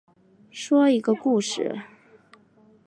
说一个故事